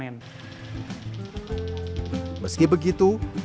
meski begitu di tengah keramaian dan kesibukan kawasan tiongkok